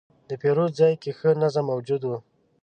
د پیرود ځای کې ښه نظم موجود و.